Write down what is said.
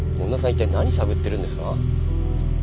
一体何探ってるんですか？